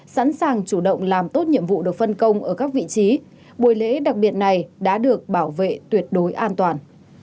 sẵn sàng chủ động làm tốt nhiệm vụ được phân công ở các vị trí buổi lễ đặc biệt này đã được bảo vệ tuyệt đối an toàn